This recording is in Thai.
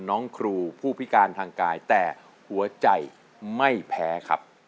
น้องครูผู้พิการทางกายแต่หัวใจไม่แพ้ครับ